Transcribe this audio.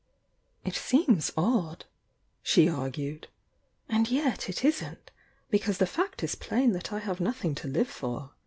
"It seems odd," she argued — "and yet, it isn't. Because the fact is plain that I have nothing to live for.